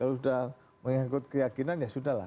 kalau sudah mengikut keyakinan ya sudah